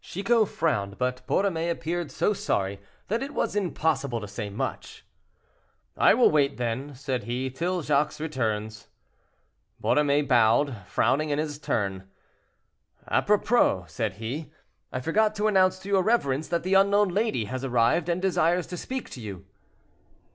Chicot frowned, but Borromée appeared so sorry that it was impossible to say much. "I will wait, then," said he, "till Jacques returns." Borromée bowed, frowning in his turn. "Apropos," said he, "I forgot to announce to your reverence that the unknown lady has arrived and desires to speak to you."